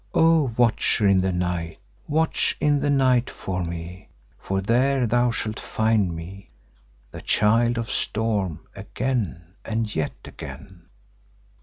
O Watcher in the Night, watch in the night for me, for there thou shalt find me, the Child of Storm, again, and yet again."